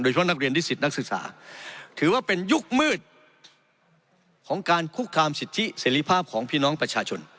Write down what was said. เพราะนักเรียนนิสิตนักศึกษาถือว่าเป็นยุคมืดของการคุกคามสิทธิเสรีภาพของพี่น้องประชาชน